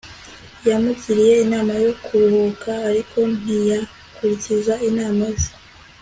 Yamugiriye inama yo kuruhuka ariko ntiyakurikiza inama ze